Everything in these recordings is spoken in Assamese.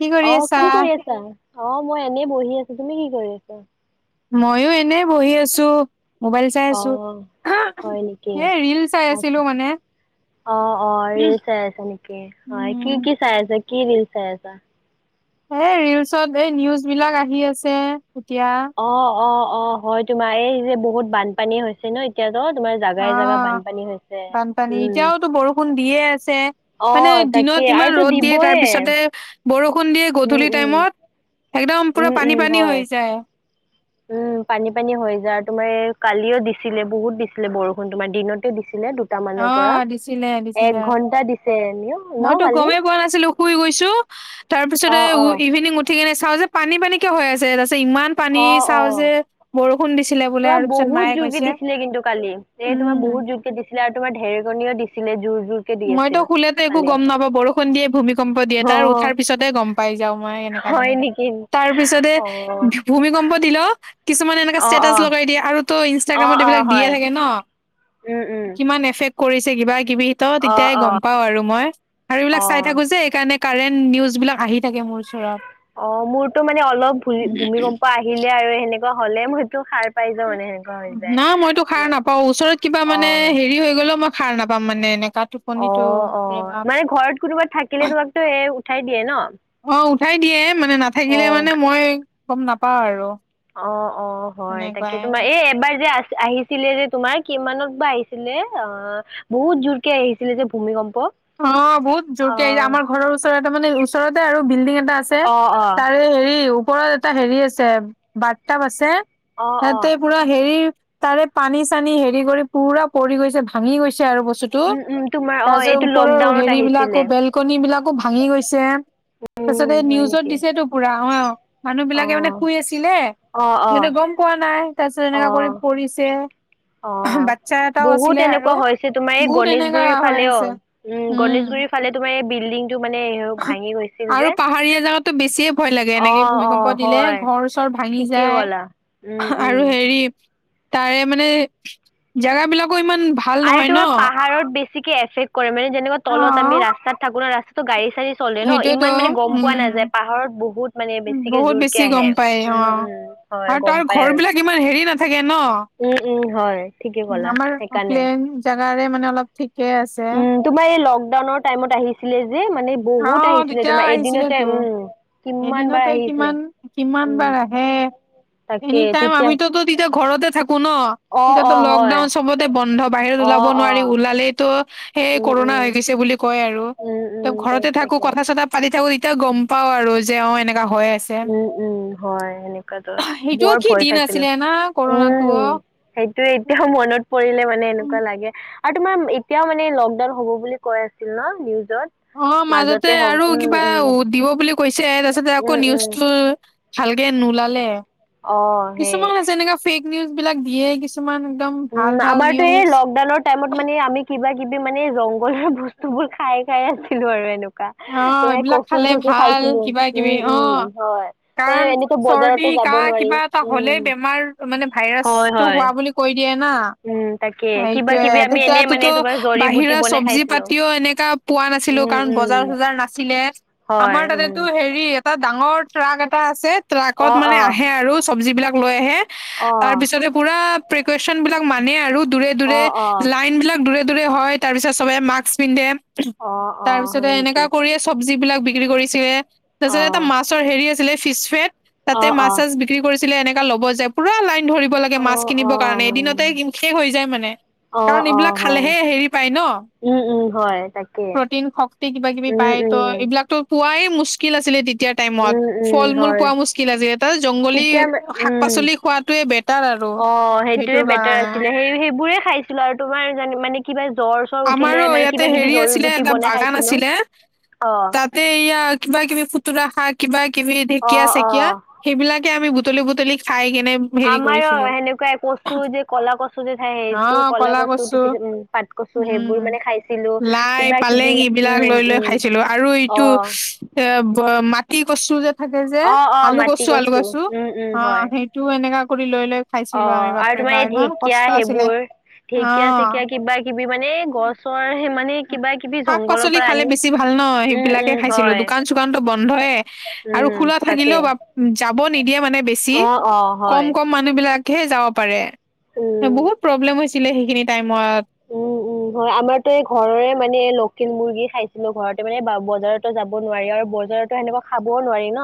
কি অ কৰি আছা? কি কৰি আছা, অ মই এনে বহি আছো, তুমি কি কৰি আছা? মইয়ো এনে বহি আছো, মোবাইল চাই অ আছো। হয় নেকি? হে ৰিল চাই আচ্ছা আছিলোঁ মানে। অ' অ' ৰিল চাই আছা নেকি, হয় কি উম, কি চাই আছা, কি ৰিল চাই আছা? হে ৰিলচত এই নিউজ বিলাক আহি আছে এতিয়া। অ' অ' অ' হয় তোমাৰ এই যে বহুত বানপানী হৈছে ন। এতিয়াতো তোমাৰ জাগাই জাগা অ' বানপানী হৈছে। বানপানী, উম এতিয়াওতো বৰষুণ দিয়ে আছে। অ মানে, তাকে দিনত ইমান আৰুতো ৰ'দ দিয়ে দিবহে। তাৰপিছতে বৰষুণ দিয়ে উম গধূলি উম টাইমত একদম উম পুৰা উম পানী পানী হয়। হৈ যায়। উম' পানী পানী হৈ যায় আৰু তোমাৰ কালিও দিছিলে বহুত দিছিলে বৰষুণ তোমাৰ দিনত দিছিলে দু অ' দিছিলে দিছিলে, দিছে এনেও ন মইতো কালি? গমেই পোৱা নাছিলোঁ, শুই গৈছোঁ। অ তাৰপিছতে অ। ইভিনিং উ ঠি কেনে চাওঁ যে পানী পানী কিয় হৈ আছে, তাৰপিছত ইমান পানী অ অ। চাওঁ যে, বৰষুণ দিছিলে। বোলে তোমাৰ আৰু পিছত বহুত মায়ে জোৰকে কৈছে দিছিলে কিন্তু কালি, এ তোমাৰ উম বহুত জোৰকে দিছিল। ছিলে। তোমাৰ ঢেৰকনিও দিছিলে জোৰ জোৰ। কে দি মইতো আছিল শুলে ত একো কালি। গম নাপাওঁ। বৰষুণ দিয়ে, ভূমিকম্প দিয়ে, অ। তাৰ উঠাৰ পিছতে গম পাই যাওঁ মই এনেকা হয় তেনেকা, নেকি? তাৰ পিছতে অ। ভূমিকম্প দিলেও কিছুমানে এনেকা অ অ। ষ্টেটাছ লগাই দিয়ে, আৰুতো অ ইনষ্টাগ্ৰামত অ এইবিলাক দিয়ে হয় থাকে ন। উম উম। কিমান এফেক্ট কৰিছে, কিবা কিবি ত অ তেতিয়াই অ। গম পাওঁ আৰু মই, আৰু অ। এইবিলাক চাই থাকো যে এইকাৰণে কাৰেণ্ট নিউজ বিলাক আহি থাকে মোৰ ওচৰত। অ' মোৰতো মানে অলপ ভূ ভূমিকম্প আহিলে আৰু সেনেকুৱা হলে মোৰ সেইটো সাৰ পাই যাওঁ মানে সেনেকুৱা হৈ যায়। না মইতো সাৰ তোমাৰ নাপাওঁ। ওচৰত কিবা মানে অ। হেৰি হৈ গ'লেও মই সাৰ নাপাম মানে এনেকুৱা টো অ' অ' মানে ঘৰত কোনোবা থাকিলে তোমাকতো এ উঠাই দিয়ে ন। অ' উঠাই দিয়ে, মানে নাথাকিলে অঁ মানে মই গম নাপাওঁ আৰু। অ' অ' হয় তাকে সেনেকুৱাই তোমাৰ এই এবাৰ যে আ আহি ছিলে যে তোমাৰ কিমানত বা আহিছিলে, অ' বহুত জোৰকে আহিছিলে যে ভূমিকম্প। অ' বহুত জোৰকে এৰি অঁ আমাৰ ঘৰৰ ওচৰতে মানে, ওচৰতে আৰু বিল্ডিং এটা আছে। অঁ অঁ তাৰে হেৰি ওপৰত এটা হেৰি আছে বাটতাপ আছে, অঁ অঁ ততে পুৰা হেৰি, তাৰে পানী চানী হেৰি কৰি পুৰা পৰি গৈছে ভাঙি গৈছে। আৰু বস্তু উম' উম' তোমাৰ অ' এইটো লকডাউনত আহিছিলে। বেলকনি বিলাকো ভাঙি গৈছে। তাৰপিছত উম এই হয় নিউজত নেকি দিছেটো পুৰা অ' মানুহ অঁ বিলাকে মানে শুই আছিলে, অঁ অঁ সিহঁতি গম পোৱা নাই, তাৰপিছত এনেকা কৰি পৰিছে। অ' বাচ্ছা এটাও বহুত আছিলে আৰু এনেকুৱা হৈছে তোমাৰ এই বহুত এনেকা গণেশগুৰিৰ হৈ ফালে আছে অ'। উম' গণেশগুৰিৰ ফালে তোমাৰ এই বিল্ডিংটো মানে ভাঙি গৈছিল আৰু যে পাহাৰীয়া জাগাতো বেছিয়ে ভয় লাগে এনেকে অ', ভূমিকম্প অ', দিলে হয় ঘৰ চৰ ভাঙি ঠিকেই যায়। ক'লা উম, আৰু উম। হেৰি, তাৰে মানে জাগা বিলাকো ইমান ভাল আৰু নহয় তোমাৰ ন পাহাৰত বেছিকে এফেক্ট কৰে মানে যেনেকুৱা অ তলত আমি ৰাস্তাত থাকো না ৰাস্তাটো গাড়ী চাড়ী চলে ন, সেইটোয়েতো ইমান মানে গম পোৱা নাযায় উম পাহাৰত বহুত মানে বেছিকে বহুত বেছি জোৰকে আহে, উম' উম'। হয় গম পাই। আৰু। ঘৰবিলাক ইমান হেৰি নাথাকে ন। উম, উম, হয় ঠিকে ক'লা আমাৰ সেইকাৰণে। প্লেন জেগাৰে মানে অলপ ঠিকে আছে। উম, তোমাৰ এই লকডাউনৰ টাইমত আহিছিলে যে মানে বহুত অ' আহিছিলে তেতিয়া তোমাৰ এদিনতে আহিছিলতো উম। কিমান বাৰ এদিনতে আহিছিলে কিমান কিমান উম, বাৰ আহে। তাকে এনি টাইম তেতিয়া আমিতোতো তেতিয়া ঘৰতে থাকো ন। অ', তেতিয়াতো অ', হয় লকডাউন চবতে বন্ধ বাহিৰত ওলাব অ', নোৱাৰি অ', ওলালেইতো সেই উম, কৰোণা উম। হৈ গৈছে বুলি কয় আৰু। উম ত' উম দছ ঘৰতে থাকো থাকে কথা চথা পাতি থাকো তেতিয়া গম পাওঁ আৰু যে অ এনেকুৱা হৈ আছে। উম উম হয় সেনেকুৱা দছ বৰ সেইটোও কি ভয় দিন খাইছিলো আছিলে না কৰোণটোও। উম সেইটোয়ে এতিয়াও মনত পৰিলে মানে এনেকুৱা লাগে। আৰু তোমাৰ এতিয়াও মানে লকডাউন হ'ব বুলি কৈ আছিল ন নিউজ অ মাজতে আৰু কিবা উম দিব বুলি কৈছে তাৰছতে উম আকৌ উম নিউজটো ভালকে নোলালে, অ সেই কিছুমান হৈছে এনেকা ফেক নিউজ বিলাক দিয়ে কিছু কিছুমান একদম উম ভাল ভাল আমাৰতো এই নিউজ লকডাউনৰ টাইমত মানে আমি কিবা কিবি মানে জংঘলৰ বস্তুবোৰ খাই খাই আছিলো আৰু এনেকুৱা। অ তোমাৰ এইবিলাক কচু খালে চচু ভাল খাইছিলো কিবা উম কিবি অ উম হয় ত কাৰণ এনেতো বজাৰতো চৰ্দি যাব কাহ নোৱাৰি কিবা এটা হলেই উম বেমাৰ মানে হয় ভাইৰাছটো হয় হোৱা বুলি কৈ দিয়ে না। উম তাকে কিবা সেইটোয়ে কিবি আমি এনে মানে তেতিয়াতোতো তোমাৰ জৰি বুটি বাহিৰা বনাই শ্বব্জি খাইছিলো পাতিও এনেকা পোৱা নাছিলো উম কাৰণ ব উম বজাৰ চজাৰ নাছিলে, হয় আমাৰ উম তাতেটো হেৰি এটা ডাঙৰ ট্ৰাক এটা আছে অ ট্ৰাকত মানে অ আহে আৰু শ্বব্জীবিলাক লৈ আহে অ তাৰপিছতে পুৰা প্ৰেকুৱেচন বিলাক মানে আৰু দূৰে অ দূৰে অ লাইন বিলাক দুৰে দূৰে হয়। তাৰপিছত সবে মাস্ক পিন্ধে। অ অ হয় নেকি? পৰীয়া শ্বব্জীবিলাক বিক্ৰী কৰিছিলে, অ তাৰপিছতে এটা মাছৰ হেৰি আছিলে ফিচ ফেট অ তাতে অ মাছ চাছ বিক্ৰী কৰিছিলে এনেকা ল'ব যায় পুৰা লাইন ধৰি লাগে অ মাছ অ কিনিবৰ কাৰণে এদিনতে কিন শেষ হৈ যায় মানে। অ কাৰণ অ এইবিলাক হয় খালেহে হেৰি পায় ন, উম উম হয় তাকে প্ৰটিন শ ক্তি কিবা কিবি উম পাই ত উম এইবিলাকত পোৱাই মুস্কিল আছিলে তেতিয়া। টাইমত, উম উম ফল মূল হয় পোৱা মুস্কিল আজি, এটা জংগলী তেতিয়া শাক উম পাচলি খোৱাতোৱে বে অ সেইটোয়ে বেটাৰ আছিলে সেই সেইবোৰে খাইছিলো আৰু তোমাৰ মানে কিবা জ্বৰ চৰ উঠিলে আমাৰো মানে ইয়াতে কিবা কিবি হেৰি জৰি আছিলে বুটি এটা বনাই বাগান খাইছিলো আছিলে অ তাত তে ইয়া কিবা কিবি ফুতুৰা শাক কিবা কিবি অ ঢেঁকীয়া অ চেকীয়া সেইবিলাকে আমি বুটলি বুটলি খাই কেনে হেৰি আমাৰ কৰিছিলো সেনেকুৱা কচু যে কলা কচু যে থাই সেইটো কলা কচু পিছত উম পাত কচু সেইবোৰ উম মানে খাইছিলো লাই কিবা কিবি পালেং এইবিলাক উম লৈ লৈ উম খাইছিলো আৰু অ এইটো এ মাটি কচু যে থাকে যে অ অ আলু মাটি কচু আলু কচু উম উম অ হয় সেই টো এনেকা কৰি লৈ লৈ অ খাইছিলো আমি আৰু বাপৰে তোমাৰ বা এই ইমান ঢেকিয়া কষ্ট আছিলে সেইবোৰ অ ঢেকীয়া চেকিয়া কিবা কিবি মানে গছৰ সে মানে কিবা কিবি শাক জংঘলৰ পাচলি পৰা খালে আনি বেছি ভাল ন উম সেইবিলাকে উম খাইছিলো হয় দোকান চোকানতো বন্ধয়ে আৰু উম খোলা তাকে থাকিলেও বাপ যাব নিদিয়ে মানে বেছি অ অ কম হয় কম মান মানুহ বিলাকহে যাব পাৰে উম বহুত প্ৰব্লেম হৈছিলে সেইখিনি টাইমত উম উম হয় আমাৰতো এই ঘৰৰে মানে লোকেল মুৰ্গী খাইছিলো ঘৰতে মানে বজাৰত যাব নোৱাৰি আৰু বজাৰতো সেনেকুৱা খাবও নোৱাৰি ন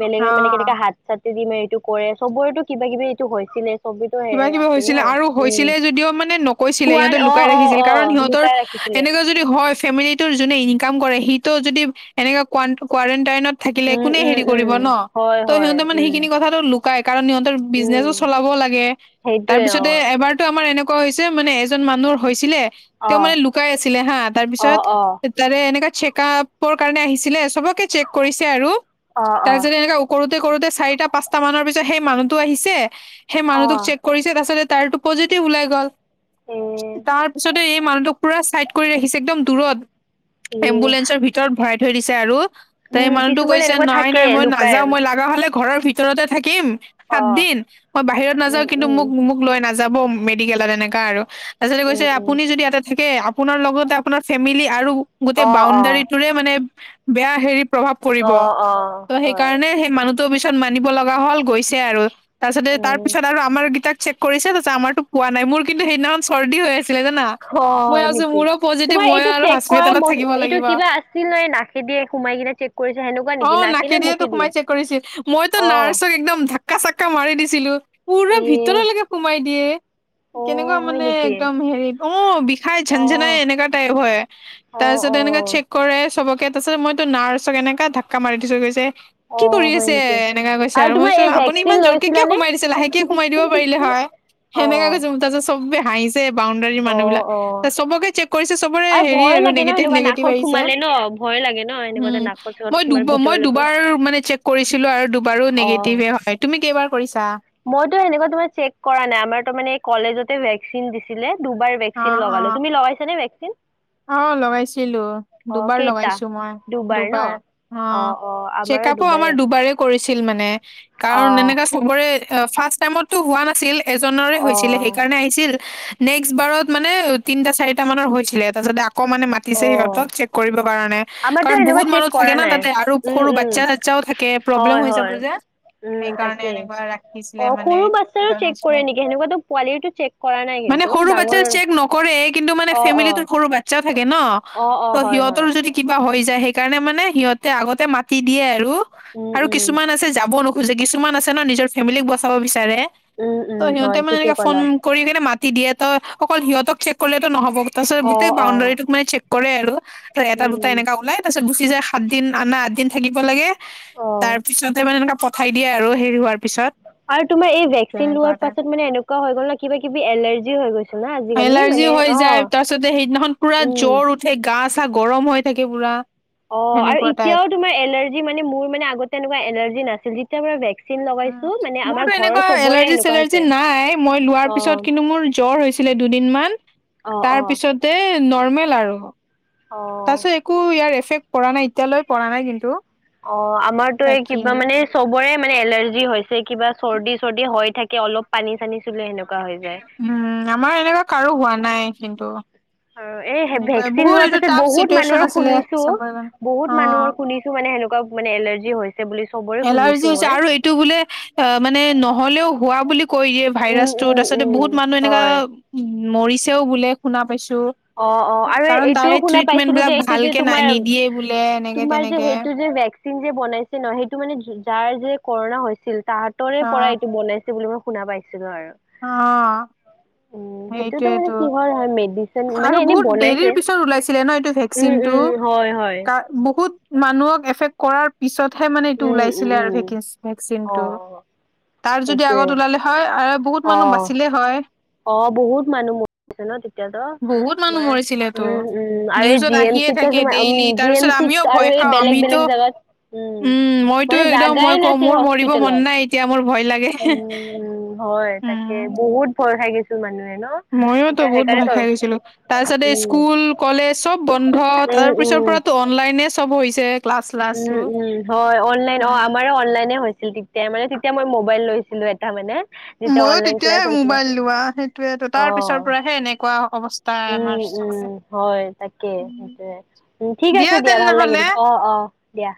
বেলেগে অ মানে কেনেকে হাত চাত দি মে এইটো কৰে চবৰেতো কিবা কিবি এইটো হৈছিলে চবেতো সে কিবা কিবি আছিল ন হৈছিলে আৰু উম হৈছিলে যদিও মানে নক কৈছিল খোৱাত সিহঁতে অ লুকাই অ ৰাখিছিল অ কাৰণ সিহঁতৰ লুকাই ৰাখিছিলে এনেকুৱা যদি হয় ফেমিলিৰ টোৰ যোনে ইনকাম কৰে সিটো যদি এনেকুৱা কুৱাৰণ্টিয়ান থাকিলে উম কোনে উম হেৰি উম কৰিব ন হয় ত হয় সিহতে মানে উম সেইখিনি কথাটো লু কুৱাই কাৰণ সিহতৰ উম বিজনেচো চলাব লাগে সেইটোৱে অ তাৰপিছতে এবাৰ ত আমাৰ এনেকুৱা হৈছে মানে এজন মানুহৰ হৈছিলে অ তেওঁ মানে লুকাই আছিলে হা অ তাৰপিছত অ তাৰে এনেকা চেকা আপৰ কাৰণে আহিছিলে চবকে চেক কৰিছে আৰু অ অ তাৰপিছতে এনেকা কৰোতে কৰোতে চাৰিটা পাঁচটা মানৰ পিছত সেই মানুহতো আহিছে সেই অ মানুহটোক চেক কৰিছে তাৰপাছতে তাৰো পজিটিভ ওলাই গ'ল এ তাৰ পিছতে এই মানুহটোক পুৰা চাইড কৰি ৰাখিছে একদম দূৰত ইয়ে এম্বুলেন্সৰ ভিতৰত ভৰাই থৈ দিছে আৰু ত এই মানুতো কিছুমান কৈছে এনেকুৱা নাই থাকে নাই মই লুকাই নাযাও মই লাগা হলে ঘৰৰ ভিত ভিতৰতে থাকিম অ সাত দিন মই বাহিৰত নাযাওঁ উম কিন্তু উম মোক মোক লৈ নাযাব মেডিকেলত এনেকা আৰু তাৰপাছতেই উম কৈছে উম আপুনি যদি ইয়াতে থাকে আপোনাৰ লগতে আপোনাৰ ফেমিলি আৰু গোটেই অ' অ' বাউডাৰীটোৰে মানে বেয়া হেৰি প্ৰভাৱ পৰিব অ' অ' ত' হয়। সেইকাৰণে সেই মানুহটো পিছত মানিব লগা হল গৈছে আৰু তাৰপাছতে উম তাৰপিছত আৰু আমাৰ গিটাক চেক কৰিছে তাৰপাছত আমাৰতো পোৱা নাই মোৰ কিন্তু সেইদিনাখন চৰ্দি হৈ আছিলে জানা মই হয়, ভাবিছো নেকি মোৰো পজিটিভ তোমাৰ মইও এইটো আৰু চেক কৰা হস্পিতেলত থাকিব এইটো লাগিব কিবা আছিল নহয় নাখেদিয়ে সোমাই কিনে চেক কৰিছে সেনেকুৱা অ, নেকি না কি নে নাকেদিয়েতো মুখেদি সোমাই চেক কৰিছিল মইতো অ' নাৰ্ছক একদম ধাক্কা চাক্কা মাৰি দিছিলো পুৰা ইয়ে ভিতৰলৈকে সোমাই দিয়ে অ' কেনেকুৱা হয় মানে নেকি? একদম হেৰি অ, বিষাই ঝেন ঝেনাই অ' এনেকুৱা টাইপ হয় অ' তাৰপিছত এনেকা অ' চেক কৰে চবকে তাৰপিছত মইতো নাৰ্ছক এনেকা ধাক্কা মাৰি দিছো গৈছে কি কৰি অ' হয় আছে নেকি? এনেকা কৈছে আৰু মই তোমাৰ চো এই আপুনি ভেকচিন ইমান জোৰকে কিয় লৈছিলানে? সোমাই দিছে লাহেক কে সোমাই দিব পাৰিলে হয় সেনেকা অ' কৈছোঙ তাৰপাছত চবে হাঁহি ছে বাউণ্ডৰী মানুহ অ' বিলাক অ' চবকে চেক কৰিছে চবৰে হেৰি ভয় আৰু লাগে ন সেনেকুৱা নিগেটিভ-নিগেটিভ নাকত আহিছে সোমালে ন ভয় লাগে ন এনেকুৱাতে উম, নাকত চাকত সোমাৰ মই-মই ভিতৰলৈকে দুবাৰ মানে চেক কৰিছিলো আৰু দুবাৰো অ' নিগেটিভে হয় তুমি কেইবাৰ কৰিছা? মইতো সেনেকুৱা তোমাৰ চেক কৰা নাই আমাৰ তাৰ মানে এই কলেজতে ভেকচিন দিছিলে দুবাৰ অ ভেকচিন অ লগালে তুমি লগাইছা নে ভেকচিন? অ, লগাইছিলো অ দুবাৰ কেইটা লগাইছো মই দুবাৰ অ অহ, অ আমাৰো ছেকাব আমাৰ দুবাৰে। কৰিছিল মানে অ কাৰণ এনেকা চবৰে অহ ফাৰ্ষ্ট টাইমততো হোৱা নাছিল। এজনৰে অ হৈছিলে সেইকাৰণে আহিছিল নেক্সট বাৰত মানে তিনিটা চাৰিটা মানৰ হৈছিলে। তাৰপাছতে আকৌ মানে মাতিছে অ সিহঁতক চেক কৰিবৰ কাৰণে। হে আমাৰতো কাৰণ এনেকুৱা বহুত চেক মানুহ থাকে কৰা না নাই তাতে আৰু উম সৰু উম বাচ্ছা চচ্ছাও থাকে প্ৰব্লেম হয় হৈ যাব হয় যে। উম, সেইকাৰণে তাকে এনেকুৱা ৰাখিছিলে অ মানে সৰু বাচ্ছাৰো চেক জনাইছিলে কৰে নেকি সেনেকুৱাটো পোৱালিটো চেক। কৰা নাই মানে কিন্তু সৰু ডাঙৰৰ বাচ্ছাটো চেক নকৰে কিন্তু মানে অ অ ফেমিলিতো। সৰু বাচ্ছা থাকে ন, অ অ ত, হয় হয় সিহঁতৰ যদি। কিবা হৈ যায় সেইকাৰণে মানে সিহঁতে আগতে মাতি দিয়ে আৰু উম আৰু উম কিছুমান আছে যাব নো। খোজে কিছুমান আছে ন, নিজৰ ফেমিলিক বচাব বিচাৰে উম উম ত সিহঁতে হয় মানে ঠিকে এনেকা ফোন। ক'লা কৰি কিনে মাতি দিয়ে ত, অকল সিহঁতক চেক কৰিলেতো নহ'ব তাৰপিছত অ গোট। অ টেইটো মানে চেক কৰে আৰু ত এটা দুটা উম এনেকা ওলাই তাৰপিছত গুচি যায় সাত দিন আনা আঠ দিন থাকিব লাগে। তাৰ অ' পিছতে মানে এনেকা পঠাই দিয়ে আৰু হেৰি হোৱাৰ পিছত। আৰু তোমাৰ এ ভেকচিন তেনেকুৱা লোৱাৰ টাইপ পাছত মানে এনেকুৱা হৈ গল ন কিবা কিনি এলাৰ্জি হৈ‌ গৈ। এলাৰ্জি হৈ যায় তাৰপিছতে সেইদিনাখন পুৰা উম জ্বৰ উঠে গা চা গৰম হৈ থাকে পুৰা। অ, আৰু সেনেকুৱা টাইপ। এতিয়াও তোমাৰ এলাৰ্জি মানে মোৰ মানে আগতে এনেকুৱা এলাৰ্জি নাছিল যি। উম মোৰটো এনেকুৱা চবৰে এলাৰ্জি সেনেকুৱা হৈছে। চেলাৰ্জি নাই মই লোৱাৰ অ' পিছত কিন্তু মোৰ জ্বৰ হৈ। ছিলে দুদিনমান। অ, অ,। তেই, নৰ্মেল আৰু অ' তাৰপিছত এই। একো ইয়াৰ এফেক্ট পৰা নাই এতিয়ালৈ পৰা নাই কিন্তু। অহ আমাৰতো এই বাকী কিবা মানে। চবৰে মানে এলাৰ্জি হৈছে কিবা চৰ্দি চৰ্দি হৈ থাকে অলপ পানী চানী। চুলে সেনেকুৱা হৈ যায়। উম, আমাৰ এনেকুৱা কাৰো হোৱা নাই কিন্তু। অহ, এই হে সেনেকুৱাই ভেকচিন বহুত লোৱাৰ এইটো পিছত টাফ বহুত চিটুৱেচন মানুহৰ আছিলে শুনিছো চবৰে কাৰণে। বহুত অ'। মানুহৰ শুনি। ছো মানে সেনেকুৱা মানে এলাৰ্জি হৈছে বুলি চবৰে শুনিছো মই। তো বোলে অহ, মানে নহ'লেও হোৱা বুলি কৈ দিয়ে। উম ভাইৰাছটো উম তাৰ পিছতে উম বহুত মানুহ এনেকা হয় মৰিছেও বোলে শুনা পাইছো। অহ, অহ, আৰু কাৰণ তাৰে এইটোও শুনা ট্ৰিটমেন্ট পাইছিলোঁ যে, বিলাক এইটো যে ভালকে নাই তোমাৰ নিদিয়ে বোলে এনেকে তোমাৰ যে, তেনেকে সেইটো যে ভেক। চিন যে বনাইছে ন সেইটো মানে যি যাৰ যে কৰুণা হৈছিল তাহাঁতৰে অ পৰা এইটো বনাই। তো বুলি মই শুনা পাইছিলোঁ আৰু। অহ। উম সেইটোতো মানে কি হয় হয় মেডি। আৰু বহুত দেৰিৰ পিছত ওলাইছিলে ন এইটো উম ভেকচিনটো উম হয় হয় তাৰ। বহুত মানুহক এফেক্ট। কৰাৰ পিছতহে মানে এইটো উম উম ওলাইছিলে আৰু উম ভেকে ভেকচিন অ টো। তাৰ যদি সেইটোৱে আগত ওলালে হয় আৰু বহুত মানুহ বাচিলে হয়। অহ বহুত মানুহ ম। ৰিছে ন তেতিয়াতো বহুত মানুহ তোমাৰ মৰিছিলে তো। উম উম আৰে নিউজত জি এম আহিয়ে চি থাকে তোমাৰ উম। ডেইলি তাৰ জি এম পিছত চিত আমিও আৰু ভয় এই খাওঁ বেলেগ আমিতো বেলেগ জেগাত উম। মইতো মানে একদম মই জাগাই কওঁ নাছিল মোৰ মৰিব হস্পিতেল মন নাই এতিয়া মোৰ ভয় লাগে। উম হয় তাকে। বহুত ভয় খাই গৈছিল মানুহে ন। ময়ো তো এতিয়া বহুত ভয় সেইকাৰণেতো খাই গৈছিলোঁ। তাৰ পিছতে উম ইস্কুল কলেজ চব বন্ধ তাৰ উম পিছৰ উম পৰাতো অনলাইনে চব হৈছে। ক্লাছ উম, চ্লাছবোৰ। উম। হয় অনলাইন অ', উম আমাৰ অনলাইনে হৈছিল তে তে মানে তেতিয়া মই মোবাইল লৈছিলো এটা মানে। যেতিয়া মইয়ো অনলাইন ক্লাছ তেতিয়াই হৈছিল মোবাইল লোৱা সেইটোৱে তো তাৰ পিছৰ অ পৰাহে এনেকুৱা অৱস্থা। তা উম আমাৰ উম চবকে হয় তাকে এই ঠিক আছে দিয়া ভাল লাগিল অ', অ' দিয়া।